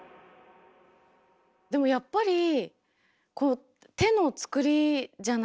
でもやっぱりこう手のつくりじゃないですか？